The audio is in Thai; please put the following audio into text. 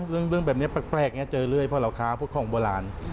เรื่องแบบนี้แปลกเจอเรื่อยเพราะเราค้าพวกของโบราณ